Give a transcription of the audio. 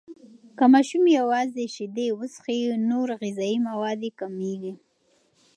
که ماشوم یوازې شیدې وڅښي، نور غذایي مواد یې کمیږي.